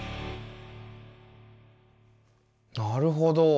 なるほど。